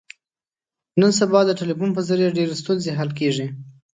نن سبا د ټلیفون په ذریعه ډېرې ستونزې حل کېږي.